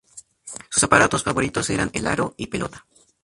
Sus aparatos favoritos eran el aro y pelota.